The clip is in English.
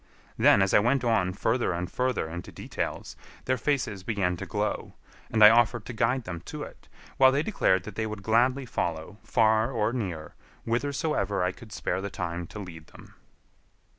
Then, as I went on further and further into details, their faces began to glow, and I offered to guide them to it, while they declared that they would gladly follow, far or near, whithersoever I could spare the time to lead them.